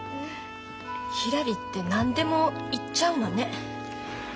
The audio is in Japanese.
ひらりって何でも言っちゃうのね。